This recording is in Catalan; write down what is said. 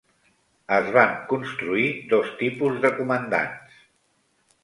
Es van construir dos tipus de comandants.